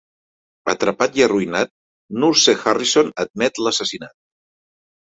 Atrapat i arruïnat, Nurse Harrison admet l'assassinat.